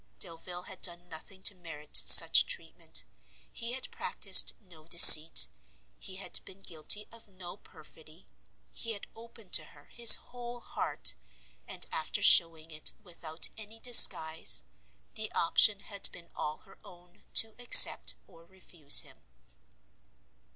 Delvile had done nothing to merit such treatment, he had practised no deceit, he had been guilty of no perfidy, he had opened to her his whole heart, and after shewing it without any disguise, the option had been all her own to accept or refuse him.